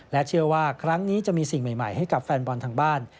เชื่อว่าครั้งนี้จะมีสิ่งใหม่ให้กับแฟนบอลทางบ้าน